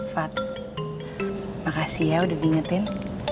fat makasih ya udah ngingetin